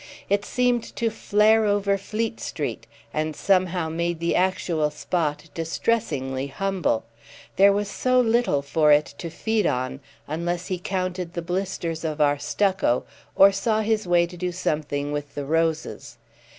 It seemed to flare over Fleet Street and somehow made the actual spot distressingly humble: there was so little for it to feed on unless he counted the blisters of our stucco or saw his way to do something with the roses.